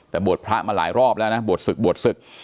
แต่บวชพระมาหลายรอบแล้วนะบวชศึกบวชศึก